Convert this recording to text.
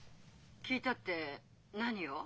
☎「聞いた」って何を？